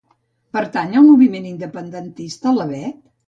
Pertany al moviment independentista la Bet?